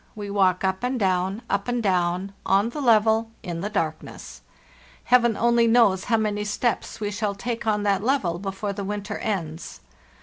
We walk up and down, up and down, on the level, in the darkness. Heaven only knows how many steps we shall take on that level before the winter ends.